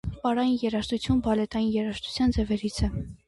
Պարային երաժշտություն բալետային երաժշտության ձևերից է։